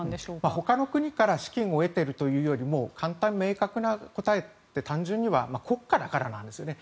ほかの国から資金を得ているというよりも簡単明確な答えには単純には国家だからなんですね。